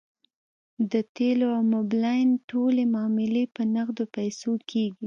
د تیلو او موبلاین ټولې معاملې په نغدو پیسو کیږي